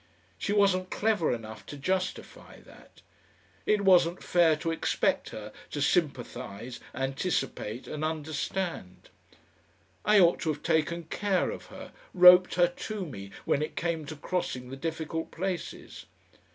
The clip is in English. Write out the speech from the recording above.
She wasn't clever enough to justify that. It wasn't fair to expect her to sympathise, anticipate, and understand. I ought to have taken care of her, roped her to me when it came to crossing the difficult places.